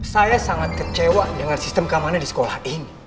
saya sangat kecewa dengan sistem keamanan di sekolah ini